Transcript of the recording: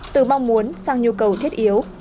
từ mong muốn sang nhu cầu thiết